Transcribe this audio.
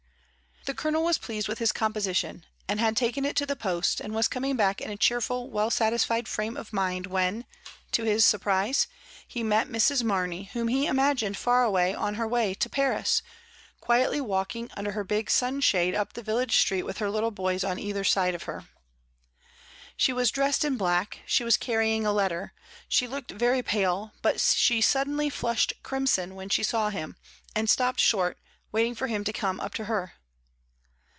The Colonel was pleased with his composition, and had taken it to the post, and was coming back in a cheerful, well satisfied frame of mind, when, to his surprise, he met Mrs. Marney, whom he ima gined far away on her way to Paris, quietly walking under her big sun shade up the village street with her little boys on either side of her. She was dressed in black; she was carrying a letter; she looked very pale, but she suddenly flushed crimson when she saw him, and stopped short, waiting for him to come up to her.